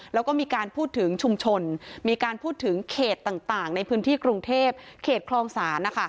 แล้วก็มีการพูดถึงชุมชนมีการพูดถึงเขตต่างในพื้นที่กรุงเทพเขตคลองศาล